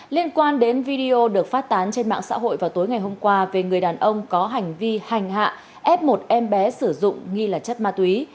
liên quan đến video được phát tán trên mạng xã hội vào tối ngày hôm qua về người đàn ông có hành vi hành hạ ép một em bé sử dụng nghi là chất ma túy